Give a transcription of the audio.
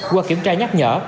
qua kiểm tra nhắc nhở